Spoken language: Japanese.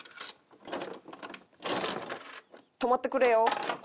止まってくれよ。